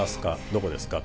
どこですか？